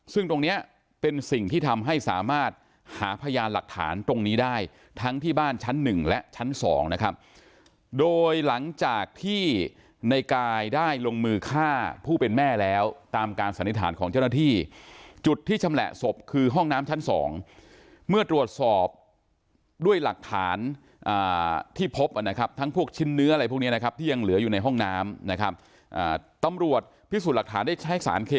ซึ่งตรงเนี้ยเป็นสิ่งที่ทำให้สามารถหาพยานหลักฐานตรงนี้ได้ทั้งที่บ้านชั้นหนึ่งและชั้นสองนะครับโดยหลังจากที่ในกายได้ลงมือฆ่าผู้เป็นแม่แล้วตามการสันนิษฐานของเจ้าหน้าที่จุดที่ชำแหละศพคือห้องน้ำชั้นสองเมื่อตรวจสอบด้วยหลักฐานอ่าที่พบอ่ะนะครับทั้งพวกชิ้นเนื้ออะไรพวกเนี้ยนะครั